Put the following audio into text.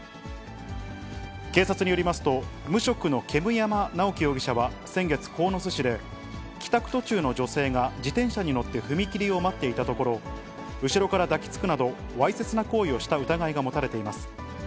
警察によりますと、無職の煙山直樹容疑者は先月、鴻巣市で、帰宅途中の女性が自転車に乗って踏切を待っていたところ、後ろからだきつくなどわいせつな行為をした疑いが持たれています。